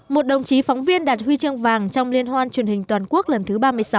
một đồng chí phóng viên đạt huy chương vàng trong liên hoan truyền hình toàn quốc lần thứ ba mươi sáu